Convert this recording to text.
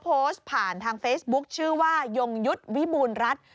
โพสต์ผ่านทางเฟซบุ๊คชื่อว่ายงยุทธ์วิบูรณรัฐ